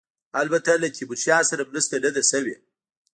البته له تیمورشاه سره مرسته نه ده شوې.